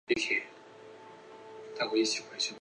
四行程循环内燃机中大多都是四冲程循环的。